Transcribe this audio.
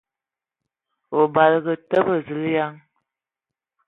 O badǝgǝ tele ! Zulǝyan!